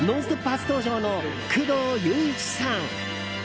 初登場の工藤勇一さん。